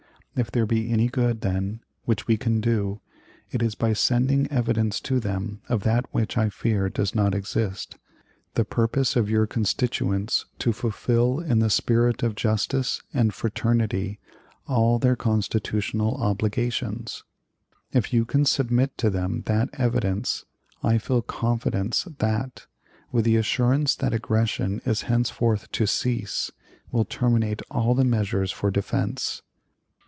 If there be any good, then, which we can do, it is by sending evidence to them of that which I fear does not exist the purpose of your constituents to fulfill in the spirit of justice and fraternity all their constitutional obligations. If you can submit to them that evidence, I feel confidence that, with the assurance that aggression is henceforth to cease, will terminate all the measures for defense.